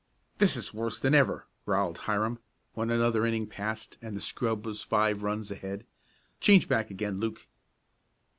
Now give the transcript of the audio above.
"This is worse than ever," growled Hiram, when another inning passed and the scrub was five runs ahead. "Change back again, Luke."